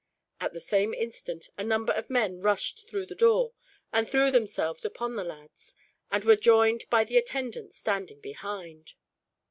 At the same instant a number of men rushed through the door, and threw themselves upon the lads, and were joined by the attendants standing behind.